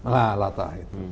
lah latah itu